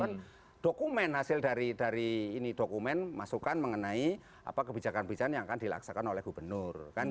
kan dokumen hasil dari dokumen masukan mengenai kebijakan kebijakan yang akan dilaksanakan oleh gubernur